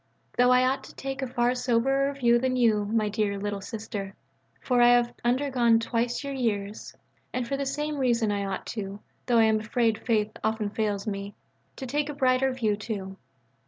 Though I ought to take a far soberer view than you, my dear "Little Sister," for I have undergone twice your years. And for the same reason I ought too, though I am afraid faith often fails me, to take a brighter view too.